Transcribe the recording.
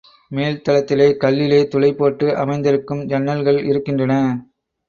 மேல் தளத்திலே கல்லிலே துளை போட்டு அமைந்திருக்கும் ஜன்னல்கள் இருக்கின்றன.